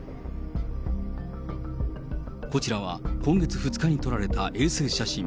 こちらは今月２日に撮られた衛星写真。